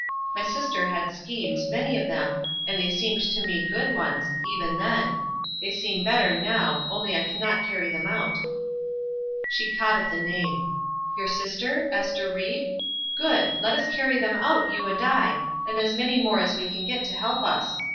My sister had schemes, many of them, and they seemed to me good ones, even then; they seem better now, only I cannot carry them out." She caught at the name. "Your sister? Ester Ried? Good! Let us carry them out, you and I, and as many more as we can get to help us.